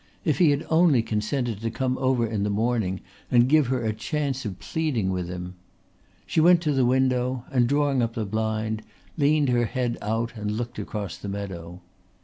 If he had only consented to come over in the morning and give her the chance of pleading with him! She went to the window and, drawing up the blind, leaned her head out and looked across the meadow.